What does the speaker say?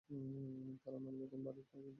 কারন, আমরা এখানে আপনার বাড়ি ভাঙতে এসেছি।